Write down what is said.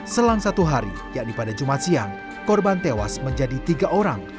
selang satu hari yakni pada jumat siang korban tewas menjadi tiga orang